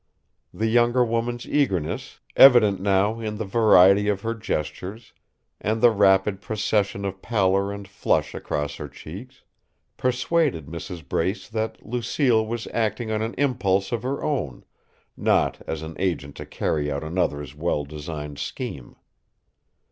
The younger woman's eagerness, evident now in the variety of her gestures and the rapid procession of pallour and flush across her cheeks, persuaded Mrs. Brace that Lucille was acting on an impulse of her own, not as an agent to carry out another's well designed scheme.